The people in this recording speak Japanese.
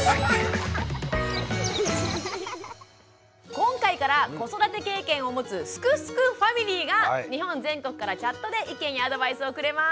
今回から子育て経験を持つ「すくすくファミリー」が日本全国からチャットで意見やアドバイスをくれます。